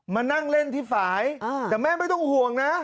มานั่งเล่นที่ฝ่ายแต่แม่ไม่ต้องห่วงนะ